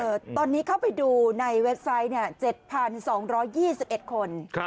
เอ่อตอนนี้เข้าไปดูในเว็บไซต์เนี้ยเจ็ดพันสองร้อยยี่สิบเอ็ดคนค่ะ